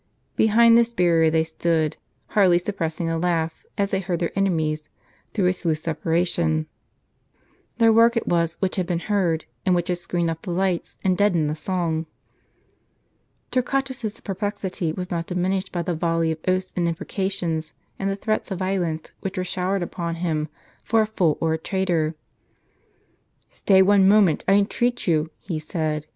Behind this bai rier they stood, hardly suppressing a laugh as they heard their enemies through its loose separation. Their work it was which had been heard, and which had screened off the lights, and deadened the song. Torquatus's perplexity was not diminished by the volley of oaths and imprecations, and the threats of violence which were showered upon him, for a fool or a traitor. " Stay one moment, I entreat you," he said.